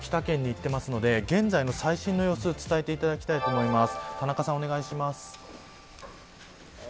今日は田中良幸さんが秋田県に行っていますので現在の最新の様子伝えていただきたいと思います。